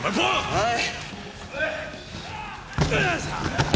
はい。